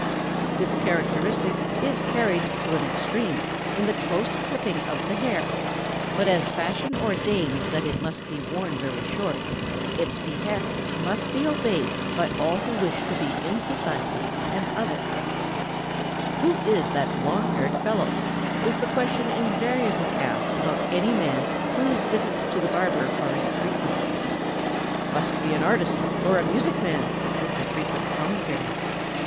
] This characteristic is carried to an extreme in the close clipping of the hair; but as fashion ordains that it must be worn very short, its behests must be obeyed by all who wish to be in society and of it. [Sidenote: The "long haired fellow."] "Who is that long haired fellow?" is the question invariably asked about any man whose visits to the barber are infrequent. "Must be an artist or a music man," is the frequent commentary.